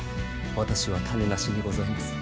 私は種無しにございます！